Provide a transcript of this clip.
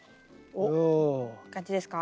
おっいい感じですか？